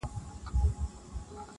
لکه ول ستوري داسمان داسي راڼه ملګري,